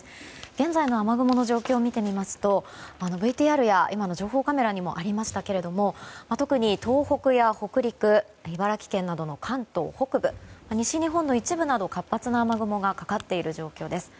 現在の雨雲の状況を見てみますとＶＴＲや今の情報カメラにもありましたけれども特に東北や北陸茨城県などの関東北部西日本の一部など活発な雨雲がかかっている状況です。